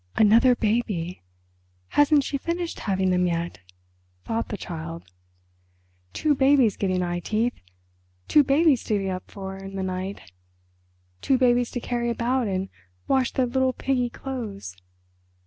"Another baby! Hasn't she finished having them yet?" thought the Child. "Two babies getting eye teeth—two babies to get up for in the night—two babies to carry about and wash their little piggy clothes!"